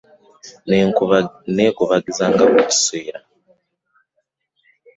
Neekubagizanga buli kiseera.